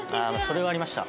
それはありました。